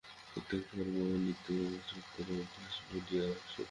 প্রত্যেক ধর্মই নিত্য সত্যের আভাস বলিয়া সত্য।